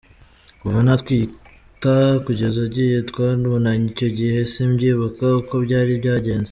Kuva natwita kugeza agiye twabonanye icyo gihe, simbyibuka uko byari byagenze.